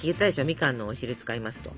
みかんのお汁使いますと。